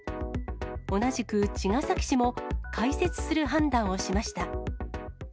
同じく茅ヶ崎市も、開設する判断をしました。